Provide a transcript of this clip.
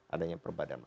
adanya perbedaan waktu